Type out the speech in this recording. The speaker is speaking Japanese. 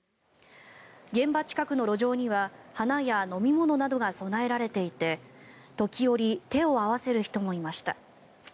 現場近くの路上には花や飲み物などが供えられていて時折手を合わせる人もいました。